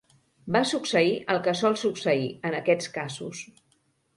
Va succeir el què sol succeir en aquests casos.